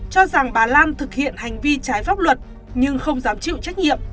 cho rằng bà lan thực hiện hành vi trái pháp luật nhưng không dám chịu trách nhiệm